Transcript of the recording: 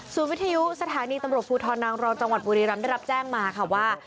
วิทยุสถานีตำรวจภูทรนางรองจังหวัดบุรีรำได้รับแจ้งมาค่ะว่า